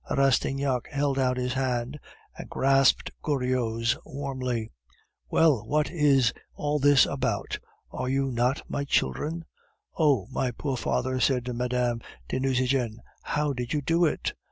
Rastignac held out his hand and grasped Goriot's warmly. "Well, what is all this about? Are you not my children?" "Oh! my poor father," said Mme. de Nucingen, "how did you do it?"